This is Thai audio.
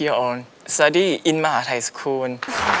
ที่ช้าได้ยินไม่ว่าเสียงใคร